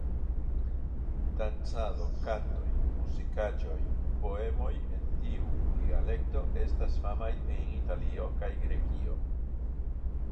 Dancado, kantoj, muzikaĵoj, poemoj en tiu dialekto estas famaj en Italio kaj Grekio.